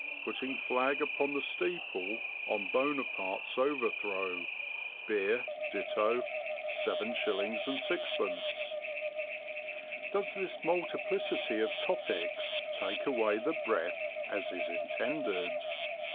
Putting flag upon the steeple on Buonaparte's overthrow; beer ditto 7/6." Does this multiplicity of topics take away the breath, as is intended?